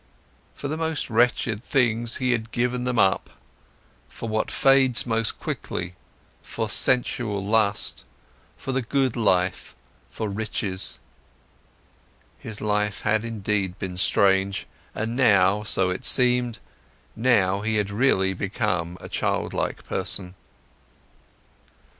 For the most wretched things, he had given them up, for what fades most quickly, for sensual lust, for the good life, for riches! His life had indeed been strange. And now, so it seemed, now he had really become a childlike person.